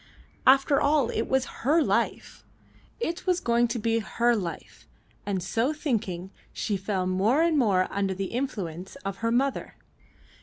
After all it was her life; it was going to be her life, and so thinking she fell more and more under the influence of her mother.